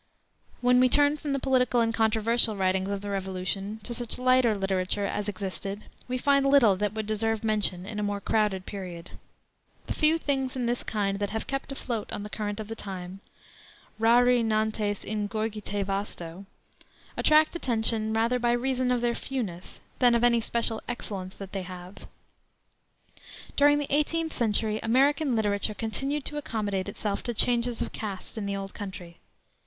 When we turn from the political and controversial writings of the Revolution to such lighter literature as existed, we find little that would deserve mention in a more crowded period. The few things in this kind that have kept afloat on the current of time rari nantes in gurgite vasto attract attention rather by reason of their fewness than of any special excellence that they have. During the eighteenth century American literature continued to accommodate itself to changes of caste in the old country.